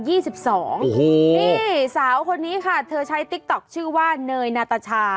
นี่สาวคนนี้ค่ะเธอใช้ติ๊กต๊อกชื่อว่าเนยนาตชา